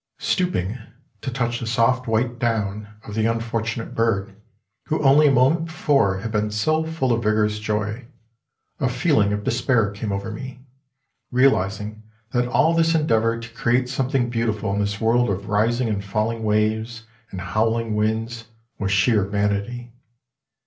Stooping, to touch the soft white down of the unfortunate bird, who only a moment before had been so full of vigor ous joy, a feeling of despair came over me, realizing that all this endeavor to create spmething beautiful in this world of rising and falling waves and howling winds, was sheer vanity.